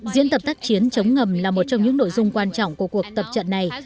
diễn tập tác chiến chống ngầm là một trong những nội dung quan trọng của cuộc tập trận này